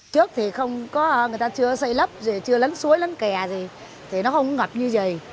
trước thì không có người ta chưa xây lấp chưa lấn suối lấn kè gì thì nó không ngập như vậy